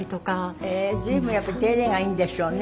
随分やっぱり手入れがいいんでしょうね。